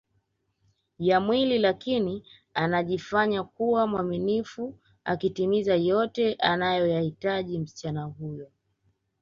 ya mwili lakini anajifanya kuwa mwaminifu akitimiza yote anayoyahitaji msichana huyo